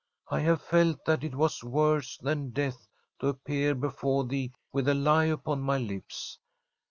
I have felt that it was worse than death to appear before thee with a lie upon my lips.